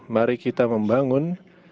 mari kita membangun